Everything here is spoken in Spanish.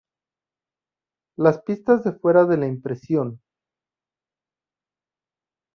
Las pistas de fuera de la impresión.